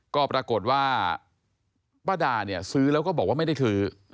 ก็ปรากฏว่าป้าดาเนี่ยซื้อแล้วก็บอกว่าไม่ได้ซื้อ